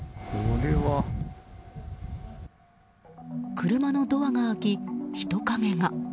車のドアが開き、人影が。